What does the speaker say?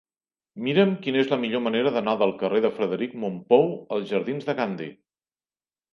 Mira'm quina és la millor manera d'anar del carrer de Frederic Mompou als jardins de Gandhi.